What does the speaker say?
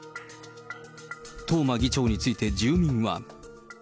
東間議長について住民は。